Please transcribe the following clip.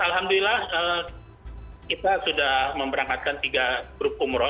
alhamdulillah kita sudah memberangkatkan tiga grup umroh